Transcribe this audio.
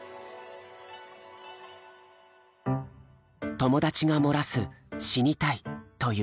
友達が漏らす「死にたい」という言葉。